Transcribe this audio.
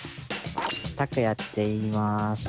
たくやっていいます。